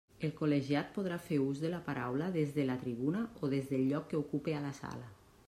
El col·legiat podrà fer ús de la paraula des de la tribuna o des del lloc que ocupe a la sala.